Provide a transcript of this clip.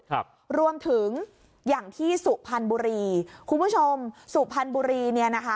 ครับรวมถึงอย่างที่สุพรรณบุรีคุณผู้ชมสุพรรณบุรีเนี่ยนะคะ